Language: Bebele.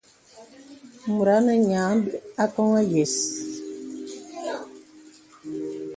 Mùt anə nyìa àkoŋɔ̄ yə̀s.